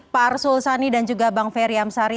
pak arsul sani dan juga bang ferryam sari